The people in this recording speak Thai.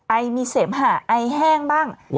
ไอมีเสมหาไอแห้งบ้าง